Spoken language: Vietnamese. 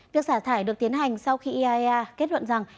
việc xả thải được tiến hành sau khi iaea kết luận rằng